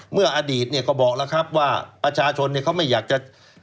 เมื่ออดีตเนี่ยก็บอกแล้วครับว่าประชาชนเขาไม่อยากจะ